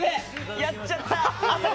やっちゃった。